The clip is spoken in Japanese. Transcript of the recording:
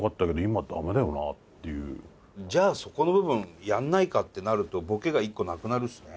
じゃあそこの部分やんないかってなるとボケが１個なくなるしね。